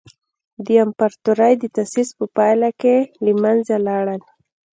د امپراتورۍ د تاسیس په پایله کې له منځه لاړل.